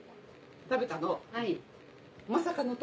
食べたの。